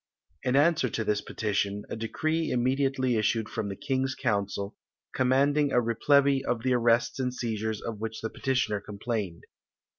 In answer to this petition, a decree immediately issued from the King's council, commanding a replevy of the arrests and seizures of which the petitioner complained.